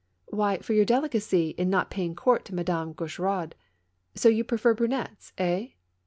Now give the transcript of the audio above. " Why for your delicacy in not paying court to Madame Gaucheraud. So you prefer brunettes, eh